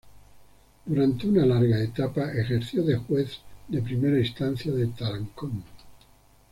Durante una larga etapa ejerció de juez de Primera Instancia de Tarancón.